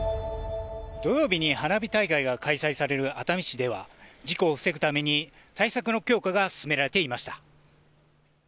土曜日に花火大会が開催される熱海市では、事故を防ぐために対策の強化が進められていました。